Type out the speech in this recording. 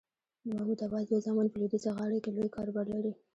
د محمود عباس دوه زامن په لویدیځه غاړه کې لوی کاروبار لري.